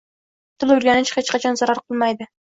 Til o'rganish hech qachon zarar qilmaydi